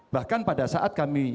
bahkan pada saat kami